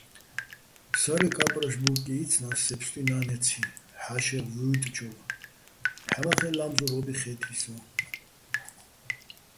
ფსარე კა́პრაშ ბუბკი იცნა́ს სე ბსტუნა́ნეცი ჰ̦ა́შეღ ვუ́ჲტჩოვ, ჰ̦ამა́ხეჸ ლა́მზურ ო́ბი ხე́თი სოჼ.